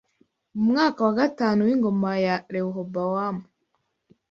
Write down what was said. Mu mwaka wa gatanu w’ingoma ya Rehobowamu